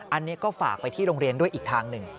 อันนี้ก็ฝากไปที่โรงเรียนด้วยอีกทางหนึ่ง